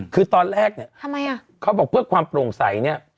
คือตอนแรกเขาบอกเพื่อความโปร่งใส